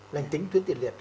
lành tính tuyến tiền liệt